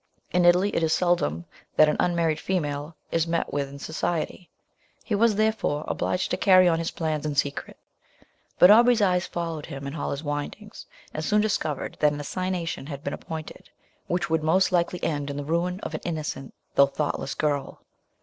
In Italy, it is seldom that an unmarried female is met with in society; he was therefore obliged to carry on his plans in secret; but Aubrey's eye followed him in all his windings, and soon discovered that an assignation had been appointed, which would most likely end in the ruin of an innocent, though thoughtless girl.